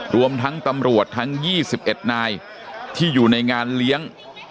รวมทั้งตำรวจทั้งยี่สิบเอ็ดนายที่อยู่ในงานเลี้ยง